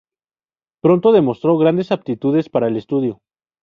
Pronto demostró grandes aptitudes para el estudio.